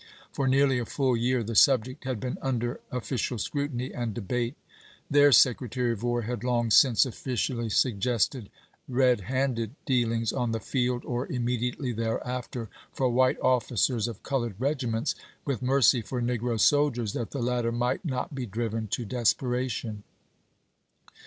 For nearly a full year the subject had been under of ficial scrutiny and debate. Their Secretary of War had long since officially suggested "red handed" dealings " on the field or immediately thereafter " for white officers of colored regiments, with mercy for negro soldiers, that the latter might not be driven to desperation.